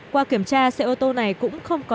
qua kiểm tra xe ô tô này cũng không có